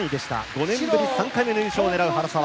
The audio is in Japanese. ５年ぶり３回目の優勝を狙う原沢。